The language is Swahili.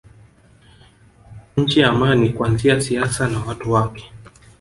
Nchi ya amani kuanzia siasa na watu wake